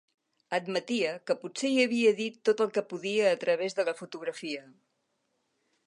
Admetia que potser hi havia dit tot el que podia a través de la fotografia.